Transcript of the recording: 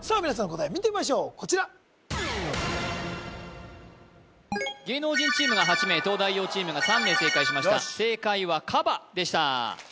皆さんの答え見てみましょうこちら芸能人チームが８名東大王チームが３名正解しました正解はカバでした